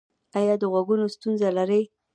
ایا د غوږونو ستونزه لرئ؟